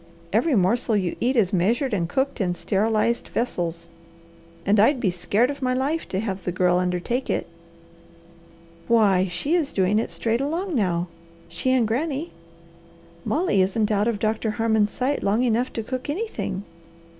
Every morsel you eat is measured and cooked in sterilized vessels, and I'd be scared of my life to have the girl undertake it." "Why she is doing it straight along now! She and Granny! Molly isn't out of Doctor Harmon's sight long enough to cook anything.